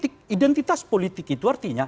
identitas politik itu artinya